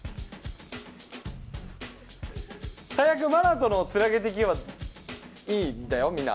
マナトのをつなげていけばいいんだよ、みんな。